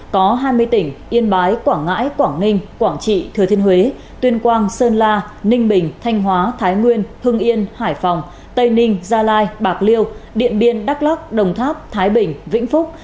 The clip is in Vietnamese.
có hai mươi tỉnh yên bái quảng ngãi quảng ninh quảng trị thừa thiên huế tuyên quang sơn la ninh bình thanh hóa thái nguyên hưng yên hải phòng tây ninh gia lai bạc liêu điện biên đắk lắc đồng tháp thái bình vĩnh phúc